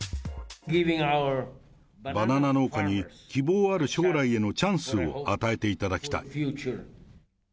バナナ農家に希望ある将来へのチャンスを与えていただきたい。